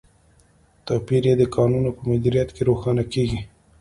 توپیر یې د کانونو په مدیریت کې روښانه کیږي.